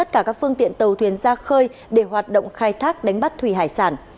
các phương tiện tàu thuyền ra khơi để hoạt động khai thác đánh bắt thủy hải sản